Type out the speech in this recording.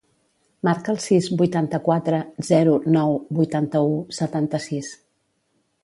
Marca el sis, vuitanta-quatre, zero, nou, vuitanta-u, setanta-sis.